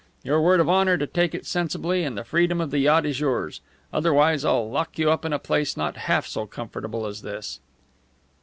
Your word of honour to take it sensibly, and the freedom of the yacht is yours. Otherwise, I'll lock you up in a place not half so comfortable as this."